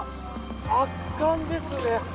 圧巻ですね。